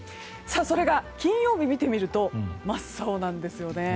それが金曜日を見てみると真っ青なんですよね。